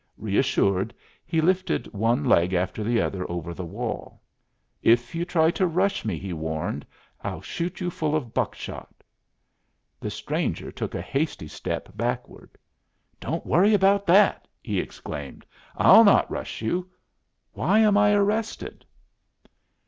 Reassured, he lifted one leg after the other over the wall. "If you try to rush me," he warned, "I'll shoot you full of buckshot." The stranger took a hasty step backward. "Don't worry about that," he exclaimed. "I'll not rush you. Why am I arrested?"